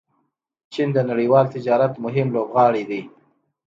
چین د نړیوال تجارت مهم لوبغاړی دی.